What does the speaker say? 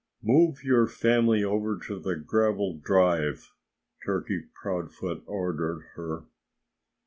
"Move your family over on the gravel drive!" Turkey Proudfoot ordered her.